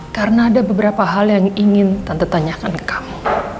karena ada beberapa hal yang ingin tante tanyakan ke kamu